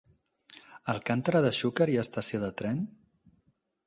A Alcàntera de Xúquer hi ha estació de tren?